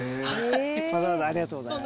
わざわざありがとうございました。